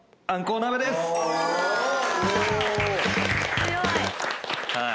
強い。